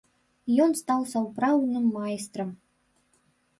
Ён стаў сапраўдным майстрам.